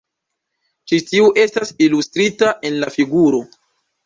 Ĉi tiu estas ilustrita en la figuro.